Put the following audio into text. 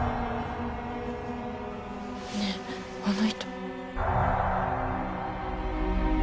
ねえあの人。